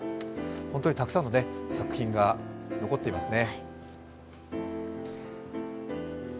本当にたくさんの作品が残っていますね。